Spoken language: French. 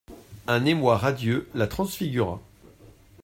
Un émoi radieux la transfigura.